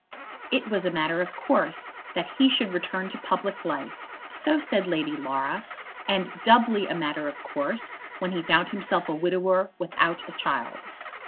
It was a matter of course that he should return to public life, so said Lady Laura; and doubly a matter of course when he found himself a widower without a child.